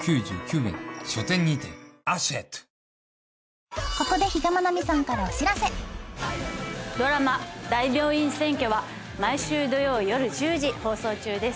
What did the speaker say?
この後ここでドラマ『大病院占拠』は毎週土曜夜１０時放送中です。